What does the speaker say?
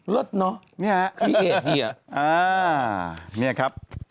ลดเนาะ